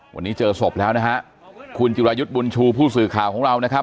วันนี้เจอศพแล้วนะฮะคุณจิรายุทธ์บุญชูผู้สื่อข่าวของเรานะครับ